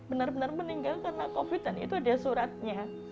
benar benar meninggal karena covid dan itu ada suratnya